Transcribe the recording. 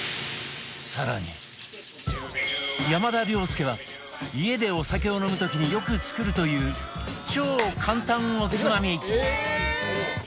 更に山田涼介は家でお酒を飲む時によく作るという超簡単おつまみ